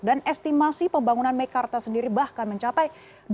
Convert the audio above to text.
dan estimasi pembangunan mekarta sendiri bahkan mencapai